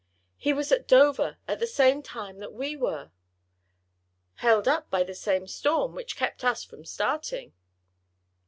"He was at Dover at the same time that we were." "Held up by the same storm, which kept us from starting."